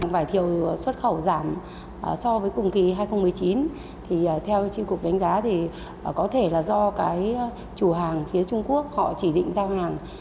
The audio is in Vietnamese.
vải thiều xuất khẩu giảm so với cùng kỳ hai nghìn một mươi chín thì theo tri cục đánh giá thì có thể là do cái chủ hàng phía trung quốc họ chỉ định giao hàng